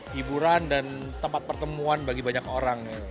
hiburan dan tempat pertemuan bagi banyak orang